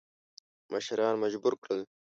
مشران مجبور کړل.